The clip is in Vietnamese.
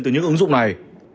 từ những ứng dụng này